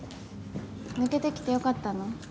抜けてきてよかったの？